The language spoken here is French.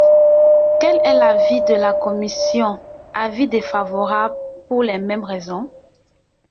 Quel est l’avis de la commission ? Avis défavorable, pour les mêmes raisons.